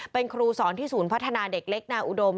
เป็นครูสอนที่ศูนย์พัฒนาเด็กเล็กนาอุดม